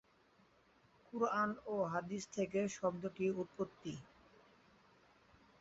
কুরআন ও হাদীস থেকে শব্দটির উৎপত্তি।